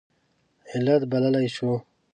علت بللی شو.